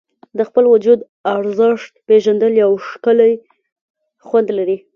د خپل وجود ارزښت پېژندل یو ښکلی خوند لري.